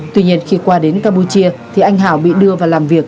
tuy nhiên khi qua đến campuchia thì anh hảo bị đưa vào làm việc